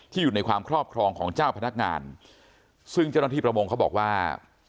อยู่ในความครอบครองของเจ้าพนักงานซึ่งเจ้าหน้าที่ประมงเขาบอกว่า